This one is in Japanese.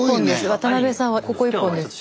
渡邉さんはここ一本です。